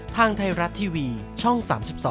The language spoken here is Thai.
ทางไทยรัฐทีวีช่อง๓๒